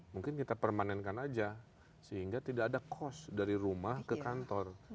mungkin kita permanenkan aja sehingga tidak ada cost dari rumah ke kantor